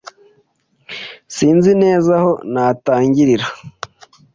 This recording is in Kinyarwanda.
Sinzi neza aho natangirira.